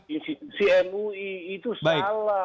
institusi mui itu salah